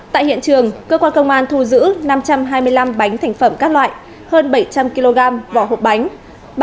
tại hiện trường cơ quan công an thu giữ năm trăm hai mươi năm bánh thành phẩm các loại hơn bảy trăm linh kg vỏ hộp bánh